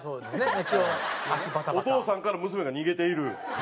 お父さんから娘が逃げている？